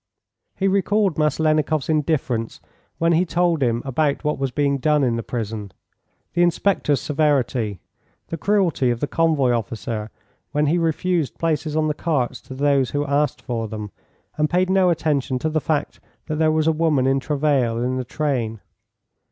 He recalled Maslennikoff's indifference when he told him about what was being done in the prison, the inspector's severity, the cruelty of the convoy officer when he refused places on the carts to those who asked for them, and paid no attention to the fact that there was a woman in travail in the train.